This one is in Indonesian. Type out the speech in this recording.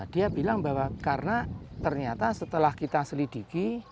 dia bilang bahwa karena ternyata setelah kita selidiki